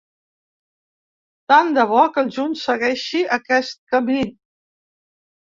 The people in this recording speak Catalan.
Tant de bo que el juny segueixi aquest camí!